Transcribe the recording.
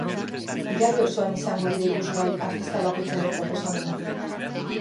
Iraila osoan izango dira ikusgai artista bakoitzaren proposamenak.